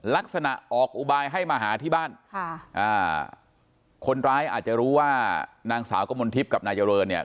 ลักษณะออกอุบายให้มาหาที่บ้านค่ะอ่าคนร้ายอาจจะรู้ว่านางสาวกมลทิพย์กับนายเจริญเนี่ย